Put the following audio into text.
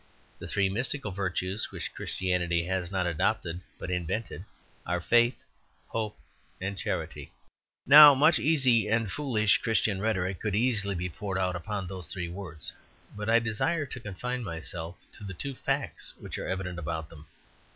The three mystical virtues which Christianity has not adopted, but invented, are faith, hope, and charity. Now much easy and foolish Christian rhetoric could easily be poured out upon those three words, but I desire to confine myself to the two facts which are evident about them.